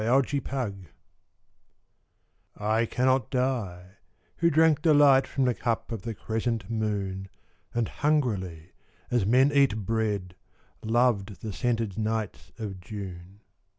The Wine I cannot die, who drank delight From the cup of the crescent moon, And hungrily as men eat bread, Loved the scented nights of June.